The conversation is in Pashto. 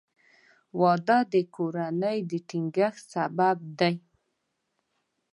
• واده د کورنۍ د ټینګښت سبب دی.